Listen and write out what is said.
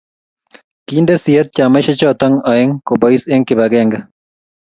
kiinde siyet chamaisheck choto aeng kobois eng kibagenge